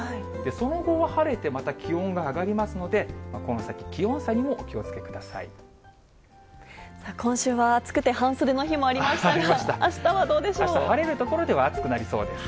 その後は晴れて、また気温が上がりますので、この先、今週は暑くて半袖の日もありあしたは晴れる所では暑くなりそうです。